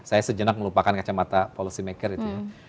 saya sejenak melupakan kacamata policy maker itu ya